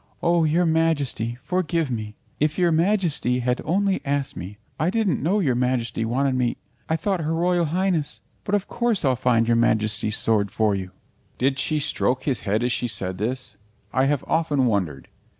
"Oh, your Majesty, forgive me if your Majesty had only asked me I didn't know your Majesty wanted me I thought her Royal Highness But of course I'll find your Majesty's sword for you." Did she stroke his head as she said this? I have often wondered.